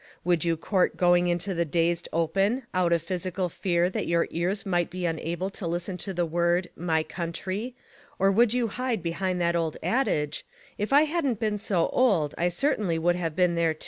Would you court going into the dazed open, out of physical fear that your ears might be unable to listen to the word, "My Country;" or would you hide behind that old adage: If I hadn't been so old I certainly would have been there.